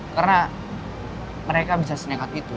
karena mereka bisa seneng hati itu